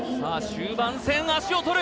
終盤戦足を取る